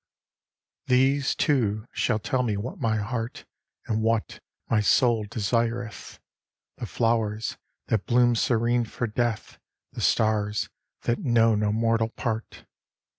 XXV These, too, shall tell me what my heart, And what my soul desireth: The flowers, that bloom serene for death, The stars, that know no mortal part.